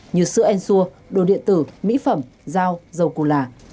như sữa en xua đồ điện tử mỹ phẩm dao dầu cù lả